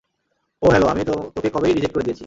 ওহ hello, আমি তোকে কবেই রিজেক্ট করে দিয়েছি।